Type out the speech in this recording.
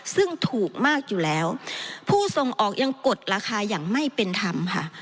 ซึ่งถูกมากอยู่แล้วผู้ส่งออกยังกดราคาอย่างไม่เป็นธรรมค่ะ